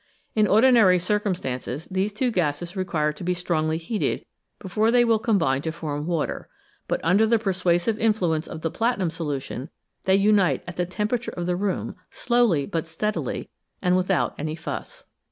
In ordinary circumstances these two gases require to be strongly heated before they will combine to form water, but under the persuasive influence of the platinum solution they unite at the temperature of the j'oom, slowly but steadily and without any fuss.